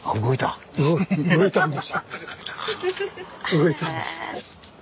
動いたんです。